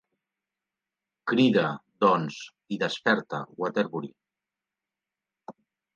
Crida, doncs, i desperta Waterbury.